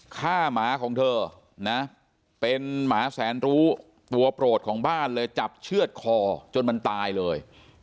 หมาของเธอนะเป็นหมาแสนรู้ตัวโปรดของบ้านเลยจับเชื่อดคอจนมันตายเลย